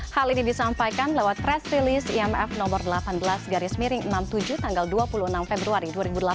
hal ini disampaikan lewat press release imf no delapan belas garis miring enam puluh tujuh tanggal dua puluh enam februari dua ribu delapan belas